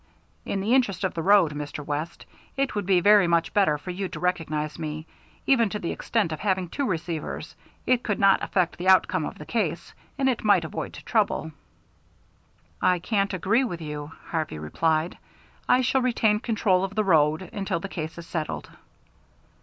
"In the interest of the road, Mr. West, it would be very much better for you to recognize me, even to the extent of having two receivers. It could not affect the outcome of the case, and it might avoid trouble." "I can't agree with you," Harvey replied. "I shall retain control of the road until the case is settled."